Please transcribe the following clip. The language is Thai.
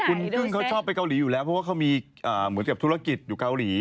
คุณกึ้งเขาชอบไปเกาหลีอยู่แล้วเพราะว่าเขามีเหมือนกับธุรกิจอยู่เกาหลี